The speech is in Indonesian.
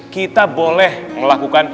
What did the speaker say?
kita boleh melakukan